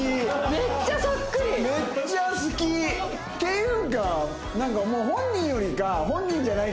めっちゃ好き！っていうかなんかもう本人よりか。